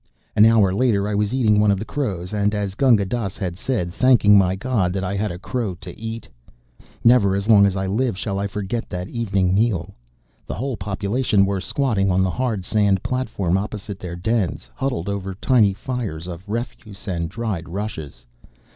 An hour later I was eating one of the crows; and, as Gunga Dass had said, thanking my God that I had a crow to eat. Never as long as I live shall I forget that evening meal. The whole population were squatting on the hard sand platform opposite their dens, huddled over tiny fires of refuse and dried rushes.